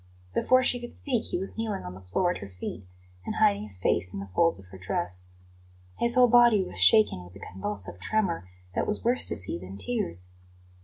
Before she could speak he was kneeling on the floor at her feet and hiding his face in the folds of her dress. His whole body was shaken with a convulsive tremor that was worse to see than tears.